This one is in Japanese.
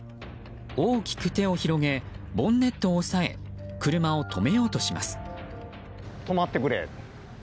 大きく手を広げボンネットを押さえ車を止めようとします。